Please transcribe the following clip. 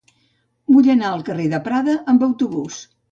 Vull anar al carrer de Prada amb autobús.